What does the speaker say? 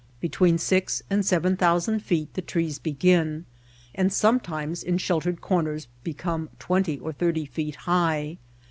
Between six and seven thousand feet the trees begin, and sometimes in sheltered corners become twenty or thirty feet high.